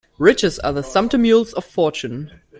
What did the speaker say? Riches are the sumpter mules of fortune.